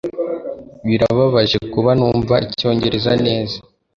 Birababaje kuba ntumva icyongereza neza.